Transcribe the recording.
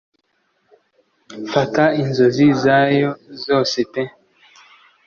Fata inzozi zayo zose pe.